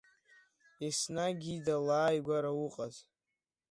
Еснагь Ида лааигәара уҟаз.